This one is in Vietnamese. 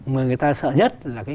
mà người ta sợ nhất là cái người